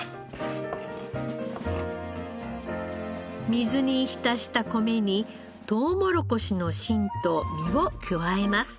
水に浸した米にとうもろこしの芯と実を加えます。